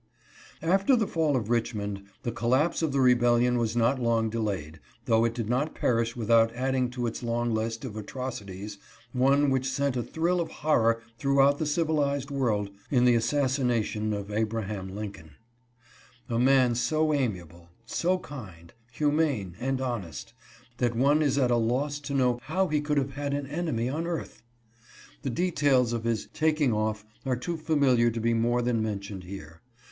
After the fall of Richmond the collapse of the rebellion was not long delayed, though it did not perish without adding to its long list of atrocities one which sent a thrill of horror throughout the civilized world, in the assassina tion of Abraham Lincoln ; a man so amiable, so kind, humane, and honest, that one is at a loss to know how he could have had an enemy on earth. The details of his " taking off " are too familiar to be more than mentioned here.